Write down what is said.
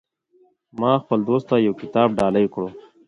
ما خپل دوست ته یو کتاب ډالۍ کړو